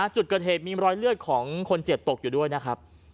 จุดเกิดเหตุมีรอยเลือดของคนเจ็บตกอยู่ด้วยนะครับ